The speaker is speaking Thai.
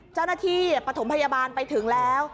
เจ้าหน้าที่ปฐมพยาบาลไปถึงแล้ว